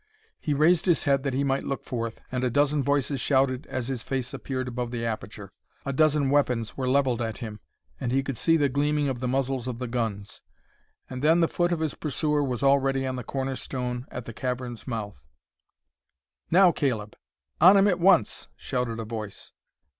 He raised his head that he might look forth, and a dozen voices shouted as his face appeared above the aperture. A dozen weapons were levelled at him, and he could see the gleaming of the muzzles of the guns. And then the foot of his pursuer was already on the corner stone at the cavern's mouth. "Now, Caleb, on him at once!" shouted a voice.